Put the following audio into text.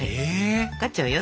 分かっちゃうよ